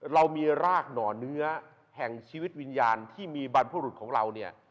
เรามีรากหน่อเนื้อแห่งชีวิตวิญญาณที่มีบรรพบุรุษของเราเนี่ย